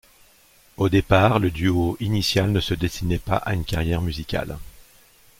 Au départ, le duo initial ne se destinait pas à une carrière musicale.